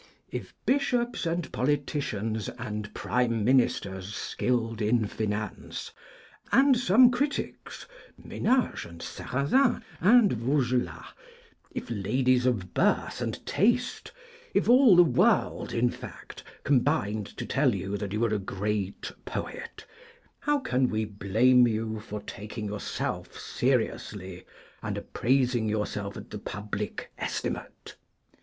If bishops and politicians and prime ministers skilled in finance, and some critics, Ménage and Sarrazin and Vaugetas, if ladies of birth and taste, if all the world in fact, combined to tell you that you were a great poet, how can we blame you for taking yourself seriously, and appraising yourself at the public estimate?